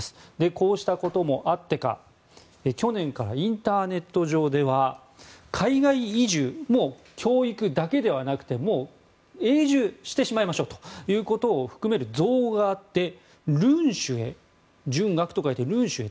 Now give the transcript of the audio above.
こうしたこともあってか去年からインターネット上では海外移住も教育だけではなくてもう永住してしまいましょうということを含める造語があって潤学と書いてルンシュエ。